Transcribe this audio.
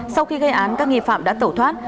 sau khi gây án các nghi phạm đã tẩu thoát